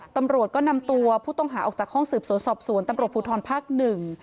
ตำรวจก็นำตัวผู้ต้องหาออกจากห้องสืบสวนสอบสวนตำรวจภูทรภาคหนึ่ง